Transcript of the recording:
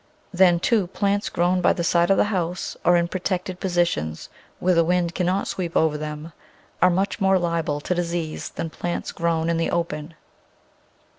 Then, too, plants grown by the side of the house, or in protected positions, where the wind cannot sweep over them, are much more liable to disease than plants grown in the open.